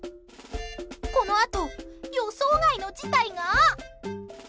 このあと予想外の事態が。